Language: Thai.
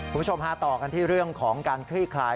คุณผู้ชมฮะต่อกันที่เรื่องของการคลี่คลาย